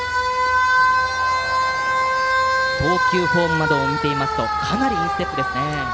投球フォームなどを見ていますとかなりインステップですね。